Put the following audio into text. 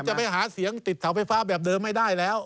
จะไปหาเสียงติดเสาไฟฟ้าแบบเดิมไม่ได้แล้ว